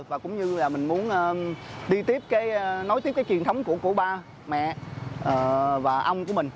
và cũng như là mình muốn đi tiếp nói tiếp cái truyền thống của ba mẹ và ông của mình